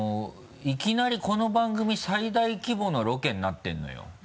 いきなりこの番組最大規模のロケになってるのよ。